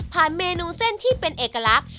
เมนูเส้นที่เป็นเอกลักษณ์